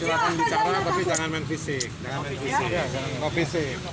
silahkan bicara tapi jangan main fisik